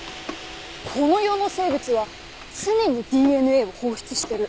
この世の生物は常にＤＮＡを放出してる。